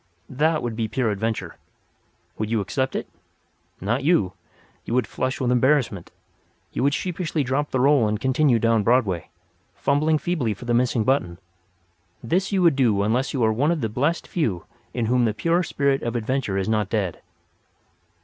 That would be pure adventure. Would you accept it? Not you. You would flush with embarrassment; you would sheepishly drop the roll and continue down Broadway, fumbling feebly for the missing button. This you would do unless you are one of the blessed few in whom the pure spirit of adventure is not dead.